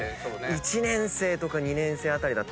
１年生とか２年生あたり。